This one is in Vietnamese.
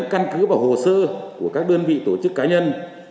căn cứ vào hồ sơ của các đơn vị tổ chức cá nhân